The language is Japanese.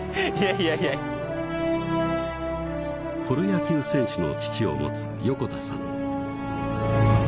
プロ野球選手の父を持つ横田さん